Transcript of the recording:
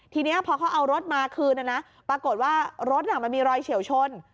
ทีนี้พอเขาเอารถมาคืนนะนะปรากฏว่ารถมันมีรอยเฉียวชน